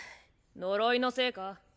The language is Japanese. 呪いのせいか？